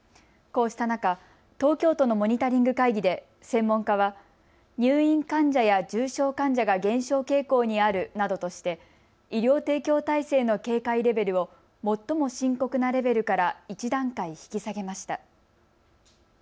こうした中、東京都のモニタリング会議で専門家は入院患者や重症患者が減少傾向にあるなどとして医療提供体制の警戒レベルを最も深刻なレベルから１段階引き下げました。